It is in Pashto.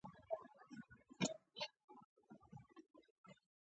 د پښتنې پېغلې شجاعت او دلاوري راښايي.